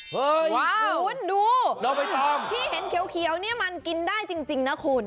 คุณดูที่เห็นเขียวนี่มันกินได้จริงนะคุณค่ะ